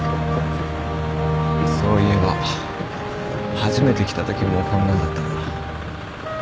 そういえば初めて来たときもこんなんだったな。